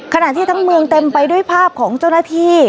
ขณะที่ทั้งเมืองเต็มไปด้วยภาพของเจ้าหน้าที่